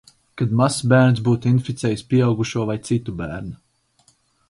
Kad mazs bērns būtu inficējis pieaugušo vai citu bērnu.